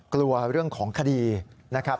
กลัวเรื่องของคดีนะครับ